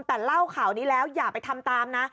แต่เล่าข่าวนี้แล้วอย่าไปทำตามนะ